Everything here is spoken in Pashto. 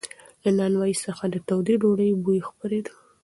له نانوایۍ څخه د تودې ډوډۍ بوی خپرېده.